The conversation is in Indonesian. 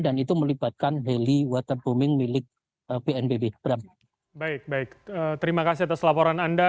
dan itu melibatkan daily water booming milik pnpb baik baik terima kasih atas laporan anda